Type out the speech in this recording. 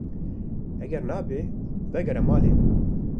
Eger nebe vegere mala xwe.